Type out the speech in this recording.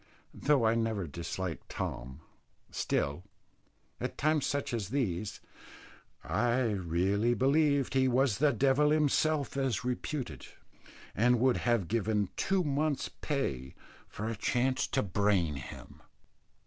Though I never disliked Tom, still, at times such as these, I really believed he was the devil himself as reputed, and would have given two months' pay for a chance to brain him.